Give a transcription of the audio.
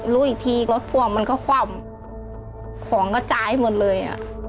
รู้อีกทีรถพ่วงมันก็คว่ำของกระจายหมดเลย